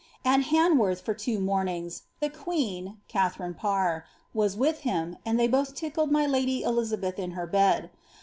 At llunworth, for two mornings, the queen (Katharine Parr) was with him, and they both tickled my lady Elizabetii in her bed.